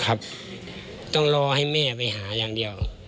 ต้องรอให้แม่ไปหาอย่างเดียว